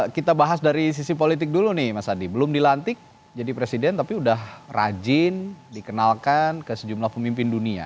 kita bahas dari sisi politik dulu nih mas adi belum dilantik jadi presiden tapi sudah rajin dikenalkan ke sejumlah pemimpin dunia